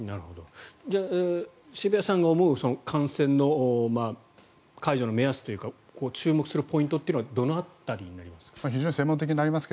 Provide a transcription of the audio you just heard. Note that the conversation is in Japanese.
じゃあ、渋谷さんが思う感染の解除の目安というか注目するポイントというのはどの辺りになるんですか？